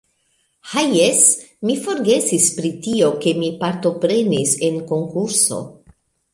Ha jes, mi forgesis pri tio, ke mi partoprenis en konkurso